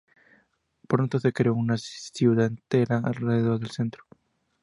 Pronto se creó una ciudad entera alrededor del centro.